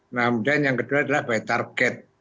nah kemudian yang kedua adalah by target